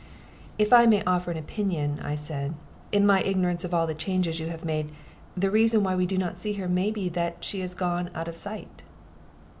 "If I may offer an opinion," I said, "in my ignorance of all the changes you have made, the reason why we do not see her may be that she is gone out of sight."